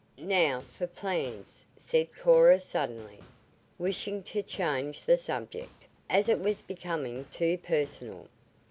"Now for plans," said Cora suddenly, wishing to change the subject, as it was becoming too personal.